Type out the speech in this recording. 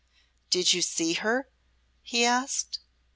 "Did you see her?" he asked.